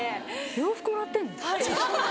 洋服もらってんの？